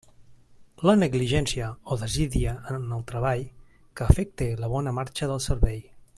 La negligència o desídia en el treball que afecte la bona marxa del servei.